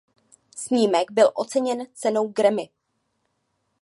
Snímek byl oceněn cenou Grammy.